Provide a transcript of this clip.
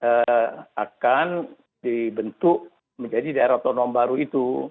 jadi suara dari masyarakat itu akan dibentuk menjadi daerah otonom baru itu